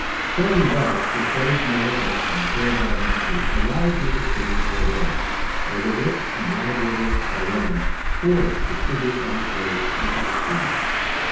Saying thus, the sage Melissa and the fair Bradamante arrived near the city of Bordeaux, where the rich and wide river Garonne pours the tribute of its waves into the sea.